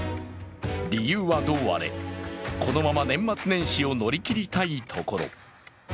理由はどうあれ、このまま年末年始を乗り切りたいところ。